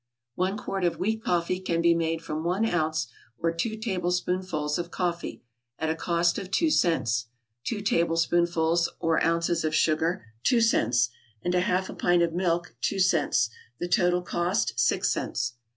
One quart of weak coffee can be made from one ounce, or two tablespoonfuls of coffee, (at a cost of two cents;) two tablespoonfuls or ounces of sugar, (two cents,) and a half a pint of milk, (two cents;) the total cost six cents.